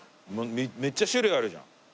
めっちゃ種類あるじゃん。